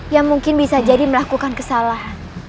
yang mungkin bisa jadi melakukan kesalahan